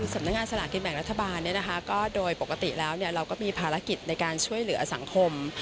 สำนักงานสลากินแบ่งรัฐบาลก็โดยปกติแล้วเราก็มีภารกิจในการช่วยเหลือสังคม